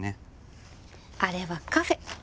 あれはカフェ。